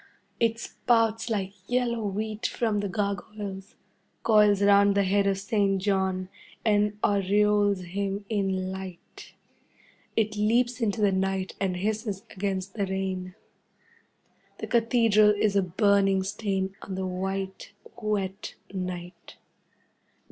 It spouts like yellow wheat from the gargoyles, coils round the head of Saint John, and aureoles him in light. It leaps into the night and hisses against the rain. The Cathedral is a burning stain on the white, wet night.